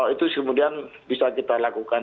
itu kemudian bisa kita lakukan